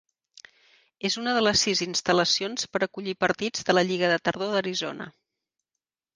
És una de les sis instal·lacions per acollir partits de la Lliga de Tardor d'Arizona.